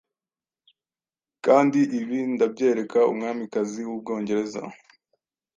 Kandi ibi ndabyereka Umwamikazi w'Ubwongereza.